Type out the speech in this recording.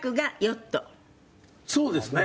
そうですね。